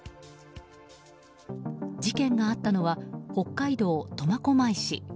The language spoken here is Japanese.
事件があったのは北海道苫小牧市。